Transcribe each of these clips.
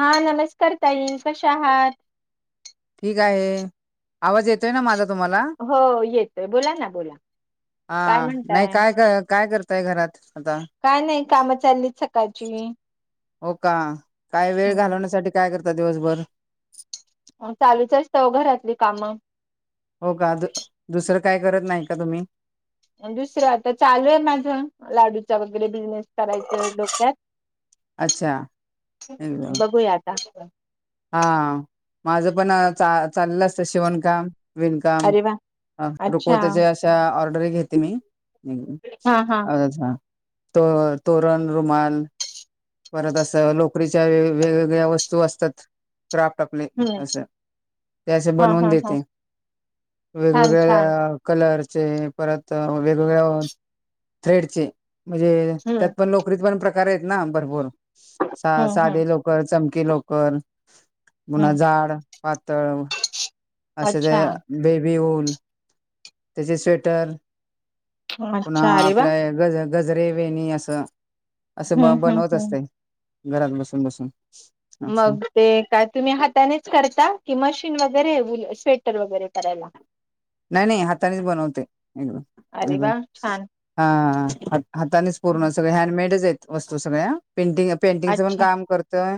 हा नमस्कार ताई कशा आहात. ठीक आहे आवाज येतोय ना माझा. तुम्हाला हो येतोय बोला ना बोला. काय हां नाही म्हणताय? काय का काय कर. त्या घरात. आता काय नाही काम चाललीत सकाळची. हो का काय वेळ हं. घालवण्यासाठी काय करता दिवसभर. चालूच असताव घरातली कामं. हो का दुसरं काय करत नाही का तुम्ही. दुसरं आता चालू आहे माझ लाडूचा वगैरे बिझनेस. करायचंय डोक्यात. अच्छा. [unintelligible] [unintelligible] हा माझं पण चाललं असतं शिवणकाम. विणकाम अरे वा! अं अच्छा रुकवताच्या अशा ऑर्डरी घेते मी. हम्म हा हा अच्छा तो तोरण रुमाल. परत असं लोकरीच्या वेगवेगळ्या वस्तू असतात. क्राफ्ट आपले हम्म असं ते असे हा बनवून हा हा देते. छान छान वेगवेगळ्या कलर. चे परत वेगवेगळ्या थ्रेडचे. म्हणजे हम्म त्यात पण लोकरीत पण प्रकार आहेत ना भरपूर हम्म हम्म साधे लोकर चम. की लोकर. पुन्हा हम्म जाड पातळ असे ते अच्छा बे. ते वूल त्याचे स्वेटर पुन्हा अच्छा अरे वा! आपल्या गज गजरे वेणी असं असं ब हम्म हम्म बनवत हम्म. असते घरात बसून बसून. असं मग ते काय तुम्ही हातानेच करता की मशीन वगैरे वूल. स्वेटर वगैरे करायला. नाही नाही हातानेच बनवते एकदम अरे एकदम. वा छान हा हा हातानेच पूर्ण सगळ हँडमेडच आहेत. वस्तू सगळ्या पेंटिंग पेंटिंगचं पण अच्छा काम करतोय.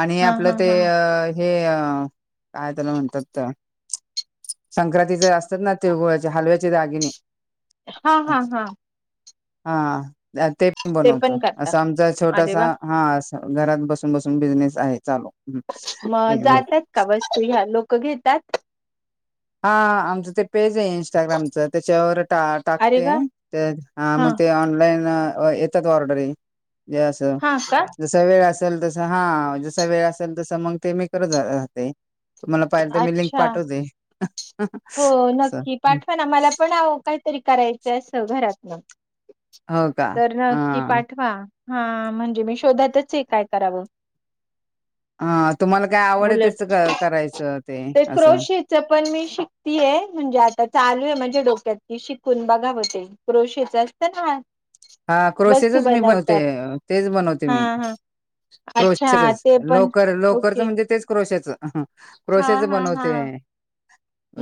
आणि हा हा आपलं ते हा अं. हे अं काय त्याला म्हणतात. संक्रांतीचे असतात ना तिळगुळयाचे हलव्याचे दागिने. हा हा हा. हा. ते पण बनवत असं आमचा अरे छोटासा वा हा अस घरात बसून बसून बिझनेस. आहे चालू. हं. मग एकदम जातात का वस्तू ह्या लोक घेतात. हा आमचं ते पेज. ते इंस्टाग्रामच त्याच्यावर टा अरे टाकते वा ते हा मग ते ऑनलाईन. होय येतात ऑर्डरी ज असं हा का जस वेळ अस. असल तस हा जसा वेळ असेल तस मग ते मी करत राहते तुम्हाला पाहिलं तर मी लिंक अच्छा पाठवते. हो नक्की असं पाठवा ना मला पण काहीतरी करायचं असं घरातन हो का? तर नक्की हां. पाठवा. हा म्हणजे मी शोधातच आहे काय करावं. [unintelligible] हा तुम्हाला काय आवड त्याच उलट करायचं ते असं. क्रोशेच पण मी शिकतीये म्हणजे आता चालू आहे, म्हणजे डोक्यात की शिकून बघावं ते क्रोशेच असतं ना. हा वस्तू क्रोशेजच मी बनते बनवतात तेच बनवते हा मी. हा अच्छा क्रोशेचच ते पण लोकर लोकरच ओके म्हणजे तेच क्रोशाचं ह हा क्रोशेच हा हा बनवते.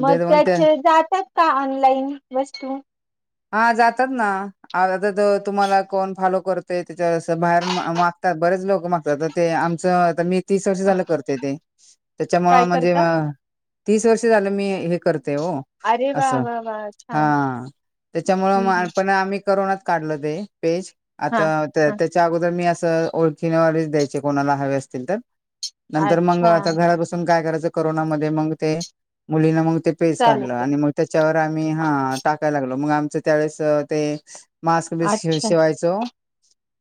मग ते ते त्याचे जातात का ऑनलाइन वस्तू. हा जातात, ना आ. आ तुम्हाला कोण फॉलो करतोय त्याच्या बाहेरून मागतात बरेच लोक मागतात तर ते आमचं मी तीस वर्ष झालं करते ते त्याच्यामुळ काय म्हणजे करता तीस वर्ष झालं मी हे करते. तेओ अरे वा अस वा वा हा छान हम्म त्याच्यामुळे हम्म पण आम् करोना त काढल ते पेज आ हा हा त्या अोर मी ओळख व द्याय कोणाला हवे असतील तर नंतर मग अच्छा आता घराातसून काय कराय करोना मध्ये मग ते मुलीना ते पेज काढलं चालेल आणि मग त्याच्यावर आम्ही हा टाकायला लागलो मग आमचं त्यावेळेस ते मास्क बिस्क अच्छा शिवायचो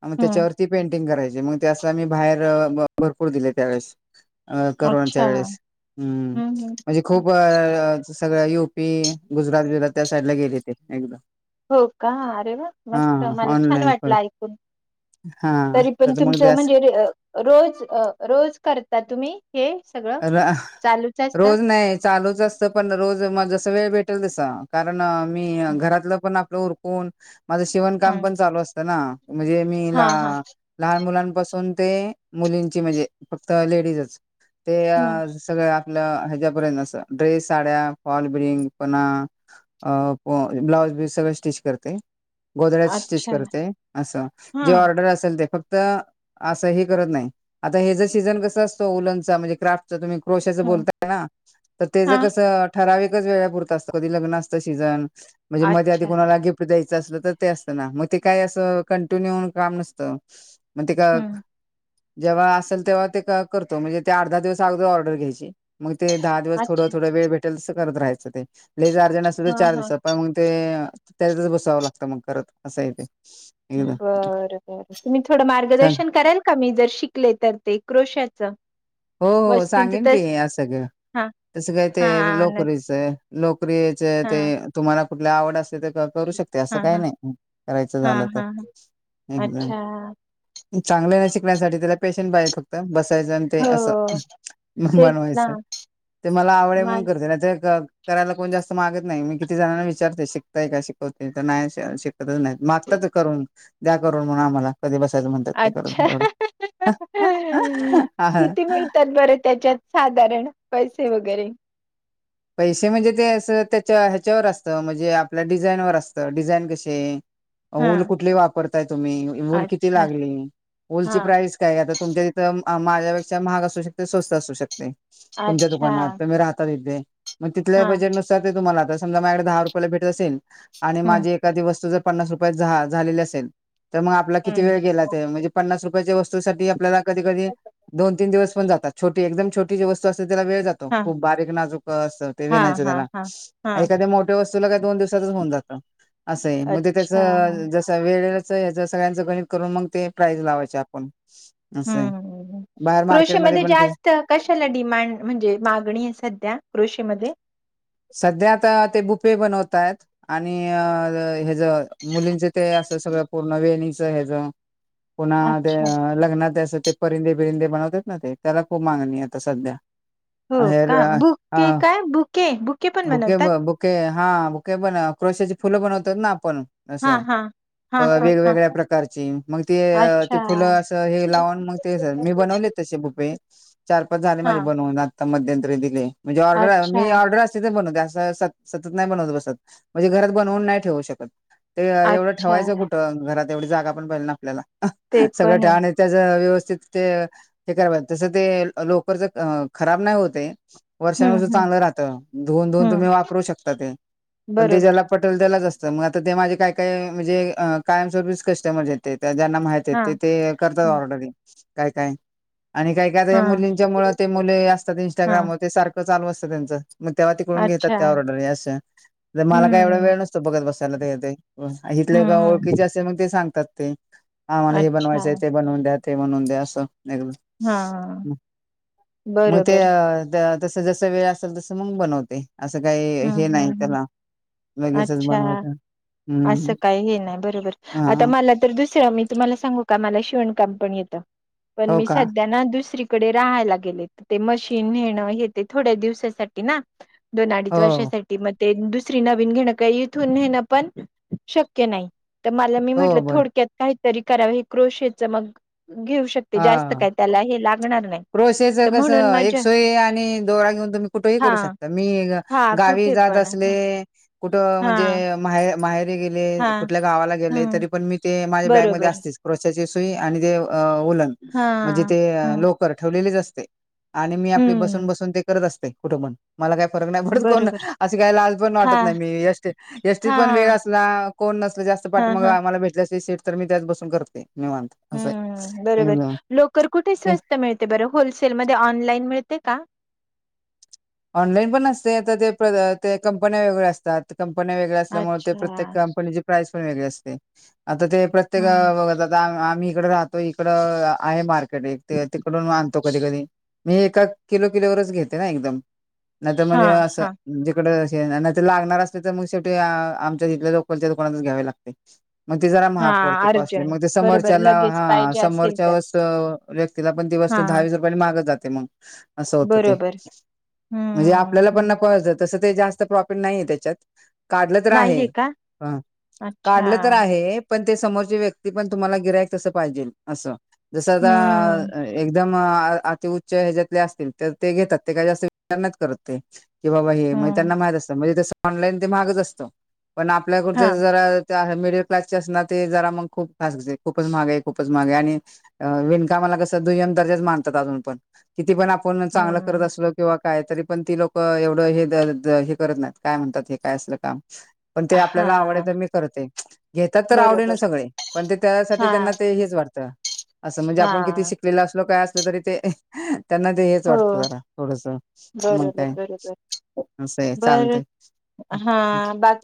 मग हम्म त्याच्यावरती पेंट कराय मग ते असं बाहेर भरपूर दिले त्यावेळेस अ अच्छा करोनाच्या वेळेस हम्म म्हणजे, खूप सगळ्या यग ी गुजरात बुजरात त्या साईड ला गेले ते एकदा हो का अरे वा हा मस्त मला छान ऑनलाईन कर वाटलं ऐकून. हा तरी पण तर तुमच मग जास म्हणजे रोज रोज करता तुम्ही हे. सगळं अ चालूच असत रोज नाही चालूच असतं पण रोज मग जस वेळ भेटेल तस. कारण मी घरातलं पण आपलं उरकून माझं शीवण हा काम पण चालू असतं ना. म्हणजे मी हा ला हा लहान मुलांपासून. ते मुलींची म्हणजे फक्त लेडीजच ते हं, सगळ. ह ्रेसड ब सगळ स्टिच करते गोधड्या स्टिच अच्छा करते, अस हा जे ऑर्डर असेल ते फक्त आता असं हे करत नाही, आता हेचा सीझन कस असतो ऊलंनचा म्हणजे क्राफ्टचा तुम्ही. क्रोशाचं हं, बोलताय ना तर तेचं हा कसं ठराविकच वेळापुरत असतं कधी लग्न असतं सीजन म्हणजे मध्ये आधी अच्छा कोणाला गिफ्ट दयाय. अस तर ते असत ना मग ते काही अस कंटिन्यू काम नसतं मग ते का हम्म. जेव्हा असेल तेव्हा ते करतो म्हणजे ते अर्धा दिवस अगदी ऑर्डर घ्यायची मग. ते दहा दिवस थोडं अच्छा थोडा वेळ भेटेल, त करत राहायचं ते. लईच अर्जंट असेल तर हा चार हा. दिवसात प मग ते त्याचच बसावं लागतं मग करत असय ते एकदा बर बर तुम्ही थोडं सांग मार्गदर्शन कराल का मी जर शिकले तर ते क्रोशाचं हो हो वस्तूंच सांगेन की तस असगळं हा तसं काय ते हा न लोकरीच लोक प्रक्रियेचे हा ते तुम्हाला कुठल्या आवड असते ते करू शकते असं हा काही हा नाही करायचं हा झालं तर हा हा एकदम अच्छा चांगले नाही शिकण्यासाठी त्याला पेशन्स पाहिल फक्त बसायच. ते असं हो तेच ना बनवायचं ते मला आवड मा म्हणून करते नाय तर करायला कोण जास्त मागत नाही मी किती जणांना विचारते शिकताय का शिकवते तर नाही शिकतच नाही मागत. करून द्या करून म्हण आम्हाला कधी बसायचं म्हणतात ते अच्छा करून एवढं किती हा मिळतात बर त्याच्यात साधारण पैसे वगैरे पैसे म्हणजे ते अस त्याच्या ह्याच्यावर असतं म्हणजे आपल्या डिझाईनवरर असतं डिझाईन कसे हा वूलकुठली वापरताय तुम्ही वूल किती अच्छा लागली. वूल ची हा प्राइस काय आता तुमच्या तिथं माझ्यापेक्षा महाग असू शकते स्वस्त असू शकते तुमच्या अच्छा दुकानात तुम्ही राहतात इथे मग तिथल्या हा बजेटनुसार ते तुम्हाला आता समजा माझ्याकडे दहा रुपयाला भेटत असेल आणि हम्म माझी एखादी वस्तू ज पन्नास रुपया झा झालेले असेल तर मग आपला किती हम्म. वेळ गेलाच आहे म्हणजे पन्नास रुपयाच्या वस्तूसाठी आपल्याला कधी कधी दोन तीन दिवस पण जातो. छोट एकदम छोटी वस्तू असते त्याला वेळ जातो हा खूप बारीक नाजूक असं ते हा विनायचं हा त्याला, हा हा एखाद्या मोठ्या वस्तूला काय दोन दिवसातच होऊन जातं. असं आहे मगजे त्याच अच्छा. जस वेळे याच सगळ्यांचं गणित करून मग ते प्राईज लावायचे आपण असं आहे हम्म बाहेर मार्केटमध्ये कृषीमध्ये पण किती- जास्त कशाला डिमांड म्हणजे मागणी आहे सध्या कृषीमध्ये सध्याता ते बुफे बनवतात आणि ह्याच मुलींचे ते अस सगळ पूर्ण वेणीच ह पुन्हा अच्छा. लग्नात अस ते परिंदे बिरिंदे बनवतेात ना ते त्याला खूप मागणी आता सध्या हो का बुक हेअर काय बुके बुक बुके ब बुके हा बुके पण क्रोशेची फुलं बनवतात ना आपण हा हा अ वेगवेगळ्या प्रकारची मग ते ते अच्छा. फुलं असं हे लावून मग ते मी बनवले. बुपे चार पाच झाले मा हां. बनून आ मध्यंतरी दिले म्हणजे ऑर्डर मी अच्छा, ऑर्डर बनव अस सतत नाही बनवत बसत म्हणजे घरात बनवून नाही ठेवू शकत ते एवढं ठेवायचं अच्छा. कुठं घरात एवढी जागा पण पाहि ना आपल्याला ते सगळं पण ठे आहे. आणि त्याच व्यवस्थ करा तस ते लोकरच खराब नाही होते. वर्षान हं, वर्ष हं, चांगलं राहतं धुन धुन हं. तुम्ही वापरू शकता ते पण ते बरोबर. ज्याला पटल असत मग आता ते माझे काय काय म्हणजे कायमस्वरपीच कस्टमर येते. ज्यांना माहित आहे हां, ते ते करतात हं, ऑर्डरिंग काय काय आणि काही काय हां. मुलींच्या मुळ ते मुले असतात हां. इं्स्टाग्रामवर ते सारखं चालू असतं त्यांचं मग तेव्हा तिकडून घेतात अच्छा. त्यावर ऑर्डर असं तर मला काय एवढा हं, वेळ नसतो बघत बसायला ते हं, इथले का हं. ओळखीचे असते मग ते सांगतात ते आम्हाला हे अच्छा. बनवायचंय ते बनवून द्याात ते म्हणून दे असं एक हां. मग ते बरोबर. तस जस वेळ असेल तसं मग बनवते असं काही हं, हे नाही हं, हं. त्याला लगेचच अच्छा. बनवत. हम्म असं काही हे नाही बरोबर आता हा मला तर दुसरा मी तुम्हाला सांगू का मला शिवणकाम पण येत, पण हो मी का संध्या ना दुसरी राहायला गेले मशीनेण हे ते थोड्या दिवसासाठी ना दोन हो वर्षासाठी मग ते दुसरी नवीन घेणं का इथून घेणं पण शक्य नाही. तर मला मी हो म्हटलं बर थोडक्यात काहीतरी करावं हे क्रोशेच मग घेऊ शकते जास्त काय त्याला हे ला क्रोशिया कसं एक सोय आणि दोरा घेऊन तुम्ही कुठेही हा करू शकता. मी हा गावी कुठे जात पण हा असले कुठ हा म्हणजे माहेर माहेरे गेले हा कुठल्या गावाला गेले हम्म तरी पण मी ते माझ्या बॅगमध्ये बरोबर असतेच क्रोशाची सुई आणि ते उलन हा म्हणजे ते हम्म लोकर ठेवलेली असते आणि मी आपली ते हम्म बसून बसून करत असते कुठ पण मला काय? फरक नाही पडत कोण बरोबर अशी काही लाज पण हा वाटत नाहीये, मी एसटीत हा पण वेळ असला कोण नसल तर जास्त हा पाठी मग हा आम्हाला भेटल्या सीट तर मी त्याच बसून करते. निवांत असं आहे हम्म बरोबर एकदम लोकर कुठे स्वस्त मिळत - ते बरं होलसेलमध्ये ऑनलाईन मिळते का? ऑनलाईन पण असते ते ते कंपन्या वेगळ्या असतात कंपन्या वेगळ्या असल्यामुळे ते अच्छा प्रत्येक कंपनीची प्राइस पण वेगळे असते. आता ते प्रत्येक हम्म बघत आता आम्ही इकडे राहतो इकड आहे मार्क तडे तिकडून आणधतो कधी कधी मी एका किलो किलोवरच घेते ना एकदम नाही तर हा म्हणजे हा असं जिकड नाही तर लागणार असले तर मग शेवटी आमच्या तिथल्या लोकलच्या दुकानातच घ्यावे लागते. मग ते जरा हा महाग पडतेले अर्जंट मग ते बरोबर समोरच्याला लगेच हा पाहिजे असेल समोरच्या तर व व्यक्तीला पण दिव दहा हा वीस रुपयाला महाग च जाते मग अस होत ते बरोबर म्हणजे हम्म आपल्याला पण हम्म नको तस ते जास्त प्रॉफिट नाहीय त्याच्यात काढलं तर आहे, नाहीये का ह अच्छा काढलं तर आहे पण ते समोर व्यक्ती पण तुम्हाला गिरायक तस पाहिजेल असं जस आ हम्म एकदम अति उच्च ह्याच्यातले असतील तर ते घेतात ते काही जास्त विचार नाही करत ते. की बाबा हे मग हम्म त्यांना माहित असतं म्हणजे तस ऑनलाईन ते माहागच असतं पण आपल्याकडच हा जरा? मिडल क्लासचे अस ना ते जरा मग खूप खास खूपच महाग आहे खूपच महागे आणि विणकाम दुय्यम दर्जाचं मानतात आता पण. किती पण आपण चांगलं करत हम्म असलो किंवा काय तरी पण ती लोक एवढं हे करत नाही काय म्हणतात हे काय असल काम पण ते हा आपल्याला आवड तर मी करते घेतात तर आवडे ना बरोबर सगळे पण ते त्यासाठी हा त्यांना ते हेच वाटतं असं म्हणजे हा आपण किती शिकलेलं असलो काय असल तरी ते त्यांना ते हेच हो वाटतं जरा थोडस मग बरोबर काय बरोबर असं आहे बर चालतंय हा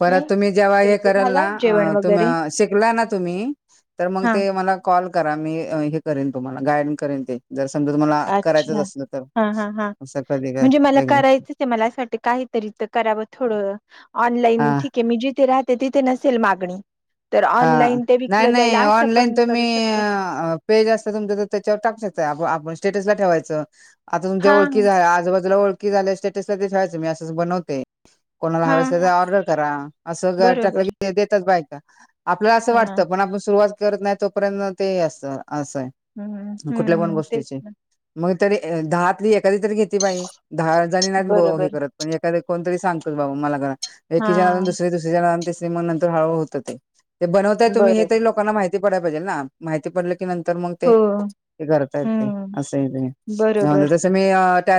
परत तुम्ही जेव्हा हे तुमचं कल ना झालं जेवण तुम् वगैरे शिकला ना तुम्ही तर मग हा ते मला कॉल करा मी हे कर ला गाईड करन ते जर समजा तुमला करायचंच अच्छा असलं तर हा हा हा असं कधी काय म्हणजे मला एकदा करायचं आहे मला अससाठी काहीतरी तर करावं थोडं. हा ऑनलाईन ठीके मी जिथे राहते तिथे नसेल मागणी तर हा ऑनलाईन ते नाही विकलं जाईल नाही असं ऑनलाईन पण तुम्ही करू शकते पेज असता तुमच तर त्याच्यावर टाकू शकता. आपण स्टेटस ला ठेवायच आता तुमच्या हा ळखी झा आजूबाजूला ओळख की झालं स्टेटस ला ते ठेवायचं मी असं अस बनवते कोणाला हा हवे अस तर हा ऑर्डर करा असं टाकलं बरोबर की येतात बाय का आपल्याला असं हा वाटतं पण आपण सुरुवात करत नाही तोपर्यंत ते असत असं हम्म आहे कुठल्या पण हम्म तेच गोष्टीची ना मग दहातली एखादी तरी घेतली बाई, दहा जणी नाही बरोबर करत पण एखा कोणतरी सांगतोच बाबा मला करा हा एकी च्या नादान दुसरी, दुसरीच्या नादान तिसरी मग नंतर हळ होतं ते ते बनवताय तुम्ही हे बरोबर तरी लोकांना माहिती पडाला पाहिजे ना माहि पडले नंतर मग ते हो करता येत हम्म अस ये ते बरोबर जस मी ट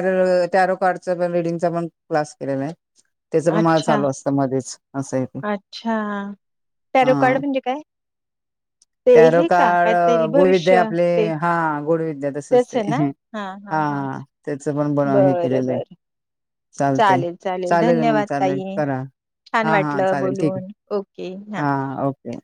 टॅरो कार्डच पण रीडिंगचा पण क्लास केलेला आहे त्याच पण मल अच्छा चालू असतं मध्येच. असं आहे ते अच्छा पॅरो कार्ड म्हणजे काय? ते [inaudible] हे का टेरोकार्ड काहीतरी गुढविद्या भविष्य आपले ते हा गुढविद्या तस असते हा अस पण बन हे बरं केलेलं आहे. बरं चालते चालेल चालेल मग धन्यवाद चालेल ताई करा छान हा हा वाटलं चालेल ठीक आहे. बोलून ओके हा ओके.